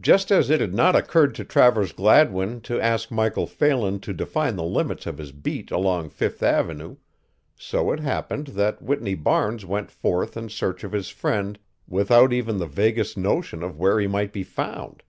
Just as it had not occurred to Travers Gladwin to ask Michael Phelan to define the limits of his beat along Fifth avenue so it happened that Whitney Barnes went forth in search of his friend without even the vaguest notion of where he might be found.